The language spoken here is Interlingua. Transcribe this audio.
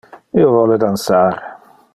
Io vole dansar.